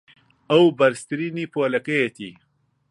ئەو بەرزترینی پۆلەکەیەتی.